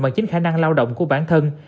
bằng chính khả năng lao động của bản thân